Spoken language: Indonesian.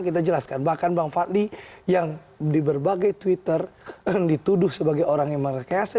kita jelaskan bahkan bang fadli yang di berbagai twitter dituduh sebagai orang yang merekayasa